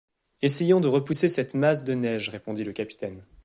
Essayons de repousser cette masse de neige, » répondit le capitaine.